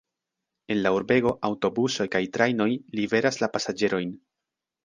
En la urbego aŭtobusoj kaj trajnoj liveras la pasaĝerojn.